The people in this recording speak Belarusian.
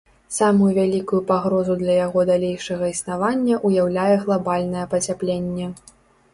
Самую вялікую пагрозу для яго далейшага існавання ўяўляе глабальнае пацяпленне.